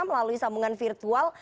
melalui sambungan virtual